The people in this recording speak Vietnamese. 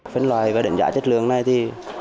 phân loại và đánh giá chất lượng này thì